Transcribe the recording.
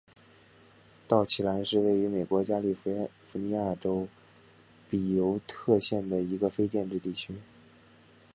道奇兰是位于美国加利福尼亚州比尤特县的一个非建制地区。